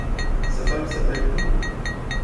Sa femme s'appelle Thouthou.